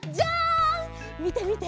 みてみて！